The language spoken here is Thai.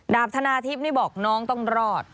ดาบธนาธิบนี่บอกน้องต้องรอด